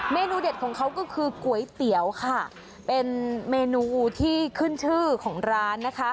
เมนูเด็ดของเขาก็คือก๋วยเตี๋ยวค่ะเป็นเมนูที่ขึ้นชื่อของร้านนะคะ